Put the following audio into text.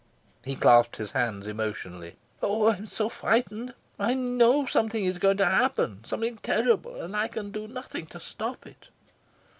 He clasped his hands emotionally. "Oh, I'm so frightened. I know something is going to happen, something terrible, and I can do nothing to stop it."